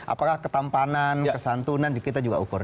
apakah ketampanan kesantunan kita juga ukur